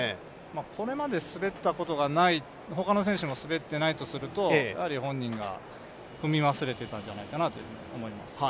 これまで滑ったことがない、他の選手も滑ったことないとすると、やはり本人が踏み忘れていたんじゃないかなと思います。